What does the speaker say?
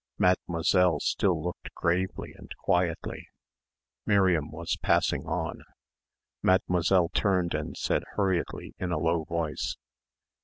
Mademoiselle still looked gravely and quietly. Miriam was passing on. Mademoiselle turned and said hurriedly in a low voice.